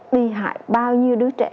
đi hại bao nhiêu đứa trẻ